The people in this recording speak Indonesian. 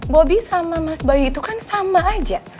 bobby sama mas bayu itu kan sama aja